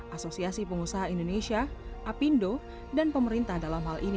asosiasi pengusaha indonesia apindo dan pemerintah dalam hal ini